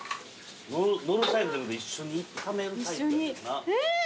のるタイプじゃなくて一緒に炒めるタイプやねんな。